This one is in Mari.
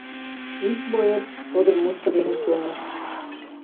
Ик боец тудын мутшо дене кӧныш.